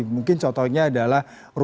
mungkin contohnya adalah ruangguru